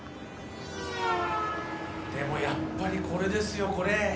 でもやっぱりこれですよこれ。